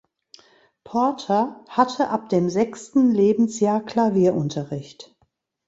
Porter hatte ab dem sechsten Lebensjahr Klavierunterricht.